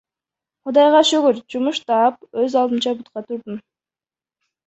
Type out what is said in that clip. Кудайга шүгүр, жумуш таап, өз алдымча бутка турдум.